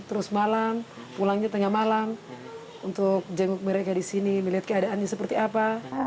terus malam pulangnya tengah malam untuk jenguk mereka di sini melihat keadaannya seperti apa